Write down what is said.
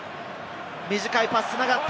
短いパスが繋がった！